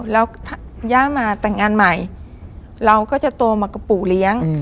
แล้วถ้าย่ามาแต่งงานใหม่เราก็จะโตมากับปู่เลี้ยง